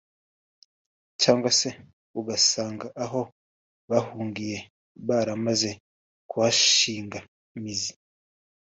cyangwa se ugasanga aho bahungiye baramaze kuhashinga imizi